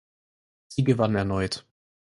Sie gewann erneut.